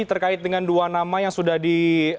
terkait dengan dua nama yang sudah di